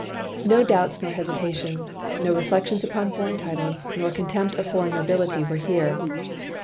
No doubts nor hesitations, no reflections upon foreign titles, nor contempt of foreign nobility were here.